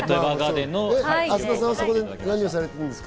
浅田さんはそこで何をされているんですか？